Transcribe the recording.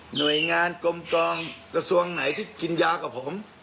หน่วยงานกลมจองกระทรวงไหนที่กินยากับผม